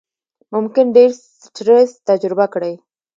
ممکن ډېر سټرس تجربه کړئ،